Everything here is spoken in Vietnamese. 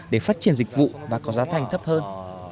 để phát triển dịch vụ và có giá thành thấp hơn